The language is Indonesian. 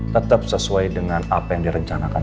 tetap sesuai dengan apa yang direncanakan